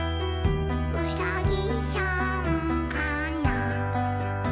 「うさぎさんかな？」